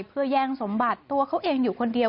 เพื่อแย่งสมบัติตัวเขาเองอยู่คนเดียว